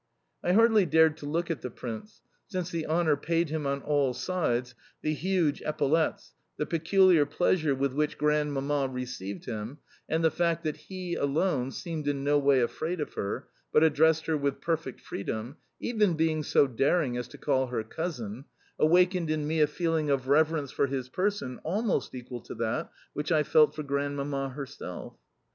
I hardly dared to look at the Prince, since the honour paid him on all sides, the huge epaulettes, the peculiar pleasure with which Grandmamma received him, and the fact that he alone, seemed in no way afraid of her, but addressed her with perfect freedom (even being so daring as to call her "cousin"), awakened in me a feeling of reverence for his person almost equal to that which I felt for Grandmamma herself.